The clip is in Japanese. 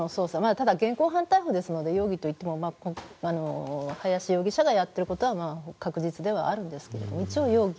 ただ、現行犯逮捕ですので容疑といっても林容疑者がやっていることは確実ではあるんですが一応容疑。